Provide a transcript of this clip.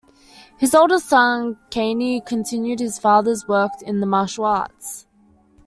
His oldest son, Kanei, continued his father's work in the martial arts.